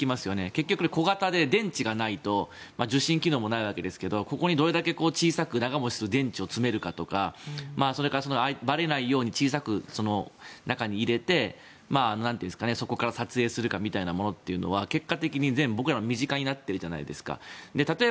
結局、小型で電池がないと受信機能もないわけですけどここにどれだけ小さく長持ちする電池を積めるかとかそれからばれないように小さく、中に入れてそこから撮影するかってものは僕らの身近になってるじゃないですか。